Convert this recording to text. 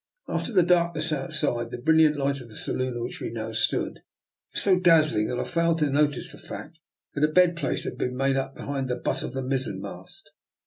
After the darkness outside, the brilliant light of the saloon in which we now stood was so dazzling that I failed to notice the fact that a bedplace had been made up behind the butt of the mizzen mast.